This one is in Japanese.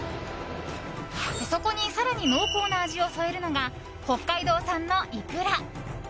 そこに更に濃厚な味を添えるのが北海道産のイクラ。